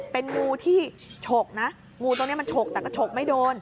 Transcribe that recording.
เป็นงูที่ฉกนะงูตัวนี้มันฉกแต่ก็ฉกไม่โดน